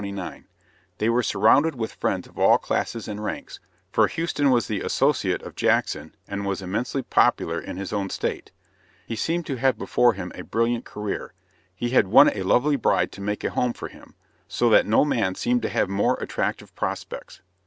They were surrounded with friends of all classes and ranks, for Houston was the associate of Jackson and was immensely popular in his own state. He seemed to have before him a brilliant career. He had won a lovely bride to make a home for him; so that no man seemed to have more attractive prospects.